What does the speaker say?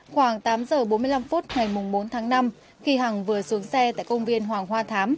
khoảng tám giờ bốn mươi năm phút ngày bốn tháng năm khi hằng vừa xuống xe tại công viên hoàng hoa thám